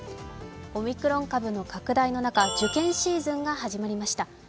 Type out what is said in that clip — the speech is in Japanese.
オミクロン株の拡大の中受験シーズンが始まりました。